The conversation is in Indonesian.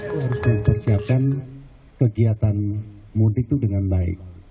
harusnya persiapkan kegiatan mudik itu dengan baik